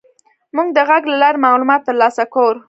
موږ د غږ له لارې معلومات تر لاسه کوو.